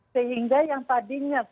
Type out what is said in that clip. sehingga yang tadinya